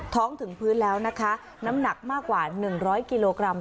ท้องถึงพื้นแล้วนะคะน้ำหนักมากกว่าหนึ่งร้อยกิโลกรัม